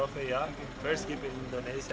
pertama keeper indonesia